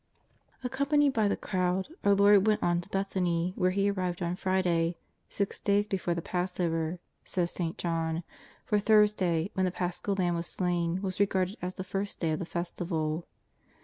Accompanied by the crowd, our Lord went on to Bethany, where He arrived on Friday, " six days be fore the Passover," says St. John, for Thursday, when the Paschal lamb was slain, was regarded as the first day of the Festival.